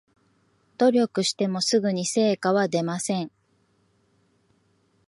努力してもすぐに成果は出ません